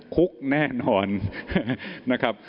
คุกแน่นอนนะครับ